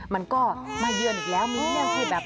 มันก็มาเยือนอีกแล้วมีเรื่องที่แบบ